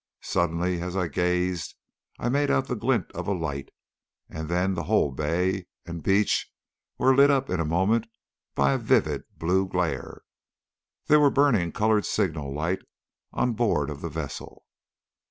Suddenly as I gazed I made out the glint of a light, and then the whole bay and the beach were lit up in a moment by a vivid blue glare. They were burning a coloured signal light on board of the vessel.